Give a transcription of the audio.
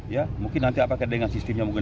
ya mungkin nanti apa keadaan dengan sistemnya mungkin